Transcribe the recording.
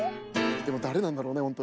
でもだれなんだろうね？